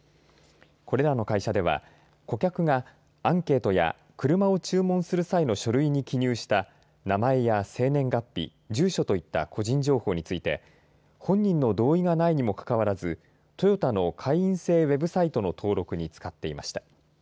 これらの会社では顧客がアンケートや車を注文する際の書類に記入した際の名前や生年月日、住所といった個人情報について本人の同意がないにもかかわらずトヨタの会員制ウェブサイトの登録に使っていました。